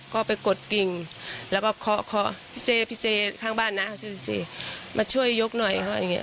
ก็ไปกดกิ่งแล้วก็ขอพี่เจข้างบ้านนะมาช่วยยกหน่อย